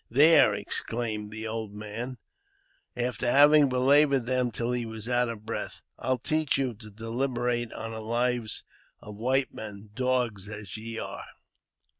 "There !" exclaimed the old man, after having belaboured them till he was out of breath, " I'll teach you to deliberate on the lives of white men, dogs as ye are